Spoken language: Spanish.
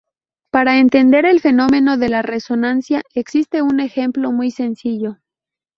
Para entender el fenómeno de la resonancia existe un ejemplo muy sencillo.